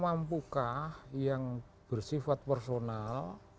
mampukah yang bersifat personal